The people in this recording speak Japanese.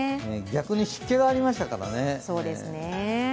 逆に湿気がありましたからね。